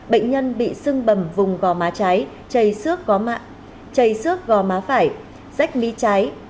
bệnh nhân bị xưng bầm vùng gò má trái chày xước gò má phải rách mí trái